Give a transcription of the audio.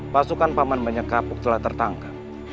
pasukan paman banyak kapuk telah tertangkap